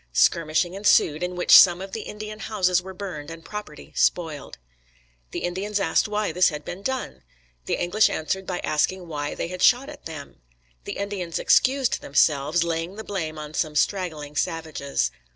Skirmishing ensued, in which some of the Indian houses were burned and property spoiled. The Indians asked why this had been done. The English answered by asking why they had shot at them. The Indians excused themselves, laying the blame on some straggling savages.